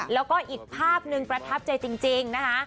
แล้วก็อีกภาพหนึ่งประทับใจจริงนะคะ